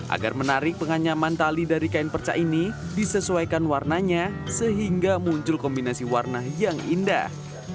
agar menarik penganyaman tali dari kain perca ini disesuaikan warnanya sehingga muncul kombinasi warna yang indah